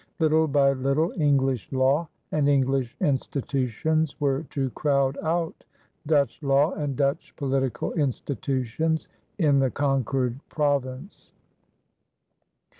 Little by little English law and English institutions were to crowd out Dutch law and Dutch political institutions in the conquered province.